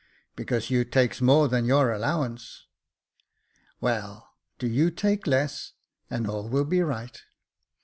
*' Because you takes more than your allowance." " Well, do you take less, then all will be right."